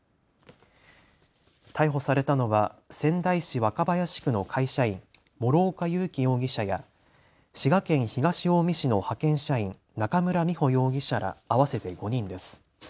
逮捕されたのは仙台市若林区の会社員、諸岡佑樹容疑者や滋賀県東近江市の派遣社員、中村美穂容疑者ら合わせて５人です。